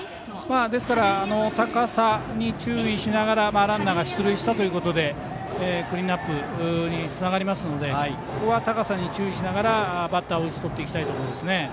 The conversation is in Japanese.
ですから、高さに注意しながらランナーが出塁したということでクリーンナップにつながりますのでここは高さに注意しながらバッターを打ち取りたいですね。